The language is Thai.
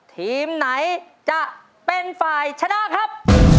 ทีมไหนจะเป็นฝ่ายชนะครับ